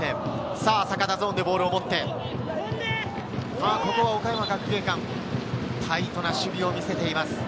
さぁ、阪田ゾーンでボールを持って、ここは岡山学芸館、タイトな守備を見せています。